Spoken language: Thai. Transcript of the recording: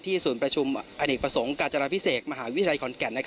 ศูนย์ประชุมอเนกประสงค์กาจราพิเศษมหาวิทยาลัยขอนแก่น